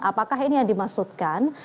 apakah ini yang dimaksudkan